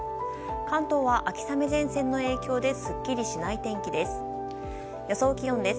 関東は秋雨前線の影響ですっきりしない天気です。